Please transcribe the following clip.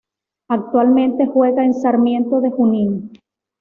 Actualmente juega en Sarmiento de Junín.